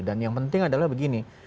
dan yang penting adalah begini